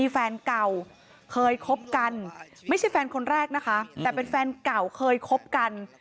แฟนเก่าเคยคบกันไม่ใช่แฟนคนแรกนะคะแต่เป็นแฟนเก่าเคยคบกัน